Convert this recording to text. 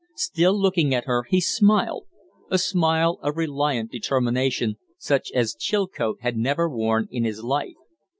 Still looking at her, he smiled a smile of reliant determination, such as Chilcote had never worn in his life.